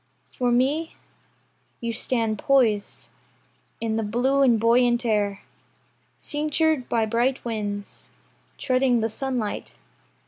For me, You stand poised In the blue and buoyant air, Cinctured by bright winds, Treading the sunlight.